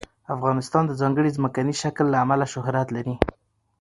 افغانستان د ځانګړي ځمکني شکل له امله شهرت لري.